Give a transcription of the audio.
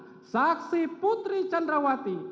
dimana saksi putri candawati